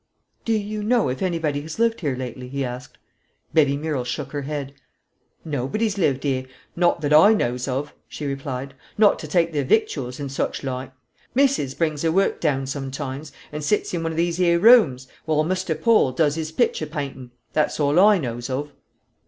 "Do you know if anybody has lived here lately?" he asked. Betsy Murrel shook her head. "Nobody has lived here not that oi knows of," she replied; "not to take their victuals, and such loike. Missus brings her work down sometimes, and sits in one of these here rooms, while Muster Poll does his pictur' paa intin'; that's all oi knows of."